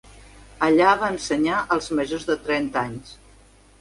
Allà va ensenyar als majors de trenta anys.